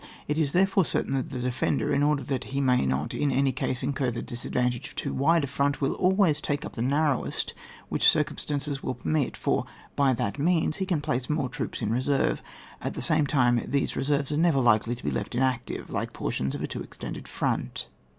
It is, therefore, certain that the defender, in order that he may not, in any case, incur the disadvantage of too wide a fit)nt, will always take up the narrowest which circumstances will permit, for by that means he can place the more troops in reserve ; at the same time these reserves are never likely to be left inactive, like portions of a too extended front.